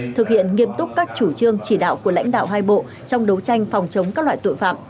thực hiện nghiêm túc các chủ trương chỉ đạo của lãnh đạo hai bộ trong đấu tranh phòng chống các loại tội phạm